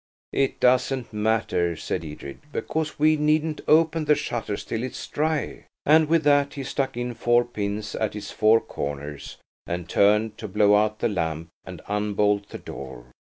"It doesn't matter," said Edred, "because we needn't open the shutters till it's dry." And with that he stuck in four pins at its four corners, and turned to blow out the lamp and unbolt the door.